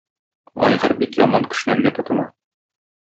Айгыр бик яман кешнәргә тотына.